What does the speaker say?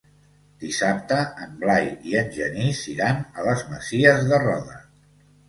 Dissabte en Blai i en Genís iran a les Masies de Roda.